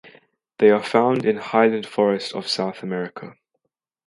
They are found in highland forest of South America.